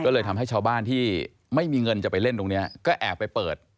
ก็เลยทำให้ชาวบ้านที่ไม่มีเงินจะไปเล่นตรงนี้ก็แอบไปเปิด